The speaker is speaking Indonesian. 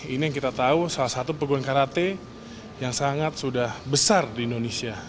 ini yang kita tahu salah satu pegunungan karate yang sangat sudah besar di indonesia